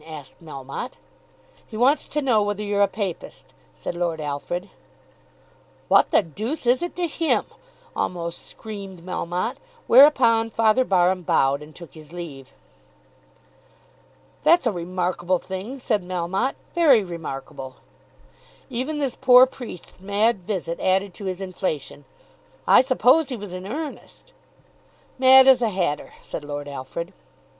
asked Melmotte. "He wants to know whether you're a papist," said Lord Alfred. "What the deuce is it to him?" almost screamed Melmotte; whereupon Father Barham bowed and took his leave. "That's a remarkable thing," said Melmotte, "very remarkable." Even this poor priest's mad visit added to his inflation. "I suppose he was in earnest." "Mad as a hatter," said Lord Alfred.